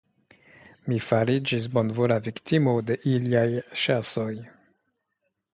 Mi fariĝis bonvola viktimo de iliaj ŝercoj.